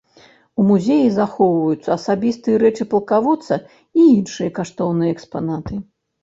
У музеі захоўваюцца асабістыя рэчы палкаводца і іншыя каштоўныя экспанаты.